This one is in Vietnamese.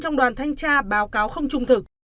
trong đoàn thanh tra báo cáo không trung thực